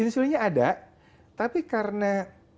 insulinnya ada tapi karena